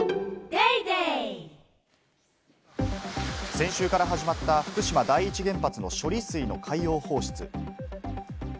先週から始まった福島第一原発の処理水の海洋放出。